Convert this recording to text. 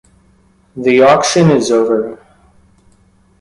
The auction is over.